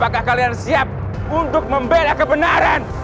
apakah kalian siap untuk membela kebenaran